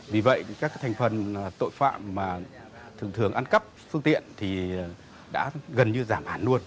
vì vậy các thành phần tội phạm mà thường thường ăn cắp phương tiện thì đã gần như giảm hẳn luôn